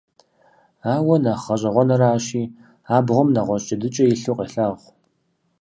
Ауэ, нэхъ гъэщӀэгъуэныращи, абгъуэм нэгъуэщӀ джэдыкӀэ илъу къелъагъу.